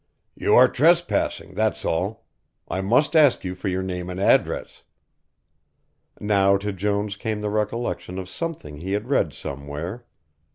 "You are trespassing, that's all. I must ask you for your name and address." Now to Jones came the recollection of something he had read somewhere.